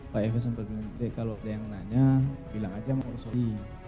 pak efes sampai berdiri kalau ada yang nanya bilang saja sama sofi